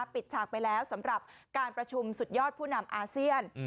ฉากไปแล้วสำหรับการประชุมสุดยอดผู้นำอาเซียน